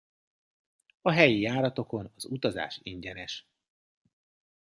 A helyi járatokon az utazás ingyenes.